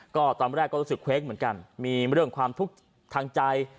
ก็ตอนแรกก็รู้สึกเคว้งเหมือนกันมีเรื่องความทุกข์ทางใจ